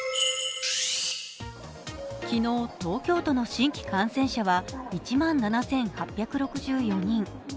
昨日、東京都の新規感染者は１万７８６４人。